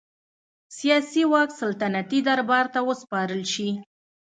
سیاسي واک سلطنتي دربار ته وسپارل شي.